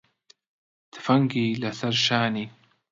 تفەنگی لەسەر شانی